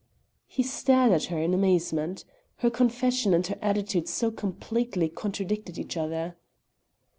He stared at her in amazement, her confession and her attitude so completely contradicted each other.